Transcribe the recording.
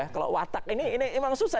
kalau watak ini memang susah